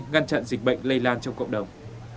ngăn chặn dịch bệnh lây lan trong cộng đồng